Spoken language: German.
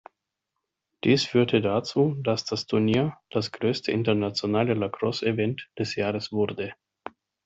Dies führte dazu, dass das Turnier das größte internationale Lacrosse-Event des Jahres wurde.